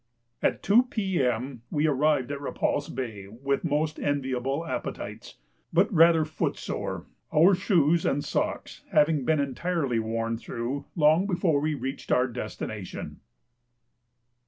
At 2 P.M. we arrived at Repulse Bay with most enviable appetites, but rather foot sore, our shoes and socks having been entirely worn through long before we reached our destination.